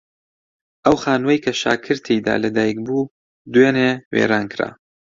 ئەو خانووەی کە شاکر تێیدا لەدایک بوو دوێنێ وێران کرا.